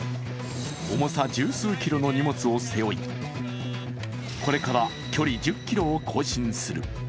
重さ十数キロの荷物を背負い、これから距離１０ｋｍを更新する。